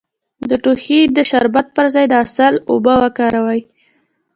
د ټوخي د شربت پر ځای د عسل اوبه وکاروئ